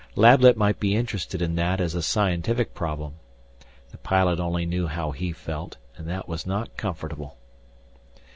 Lablet might be interested in that as a scientific problem the pilot only knew how he felt and that was not comfortable.